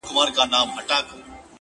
ساده پلانونه لویې پایلې لري!.